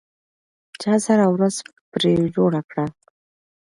چا سره ورځ پرې جوړه کړه؟